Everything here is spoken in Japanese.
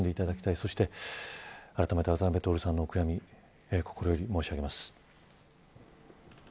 そして、あらためて渡辺徹さんのお悔み心より申し上げます。